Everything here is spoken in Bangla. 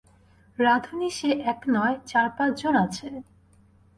রাঁধুনী সে এক নয়, চার-পাঁচজন আছে।